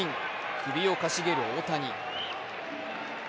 首をかしげる大谷。